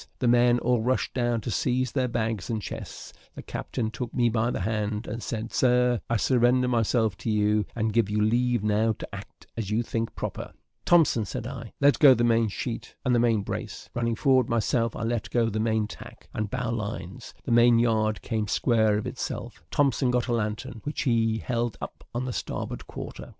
The men all rushed down to seize their bags and chests; the captain took me by the hand, and said "Sir, I surrender myself to you, and give you leave now to act as you think proper." "Thompson," said I, "let go the main sheet, and the main brace." Running forward myself, I let go the main tack, and bowlines; the main yard came square of itself. Thompson got a lantern, which he held up on the starboard quarter.